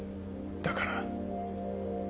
だから。